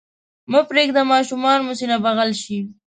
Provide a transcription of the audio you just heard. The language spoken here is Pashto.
مه پرېږدئ ماشومان مو سینه بغل شي.